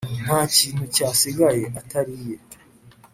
nta kintu cyasigaye atariye,